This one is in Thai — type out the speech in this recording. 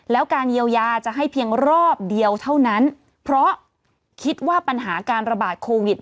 แล้วการเยียวยาจะให้เพียงรอบเดียวเท่านั้นเพราะคิดว่าปัญหาการระบาดโควิด